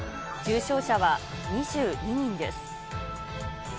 重症者は２２人です。